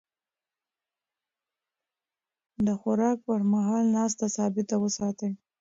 د خوراک پر مهال ناسته ثابته وساتئ.